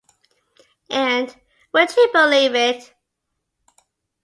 And, would you believe it?